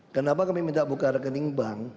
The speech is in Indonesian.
kenapa kami minta buka rekening bank